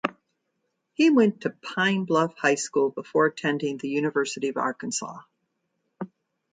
He went to Pine Bluff High School before attending the University of Arkansas.